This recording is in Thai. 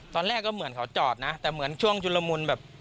ตอนแรกก็เหมือนเขาจอดนะแต่เหมือนช่วงชุลมุนแบบ